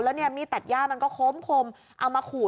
แล้วนี่ตัดย่ามันก็คมเอามาขู่